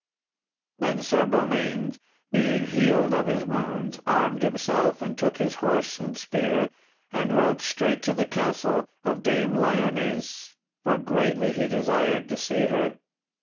Then Sir Beaumains, being healed of his wounds, armed himself, and took his horse and spear and rode straight to the castle of Dame Lyones, for greatly he desired to see her.